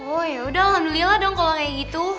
oh yaudah alhamdulillah dong kalau kayak gitu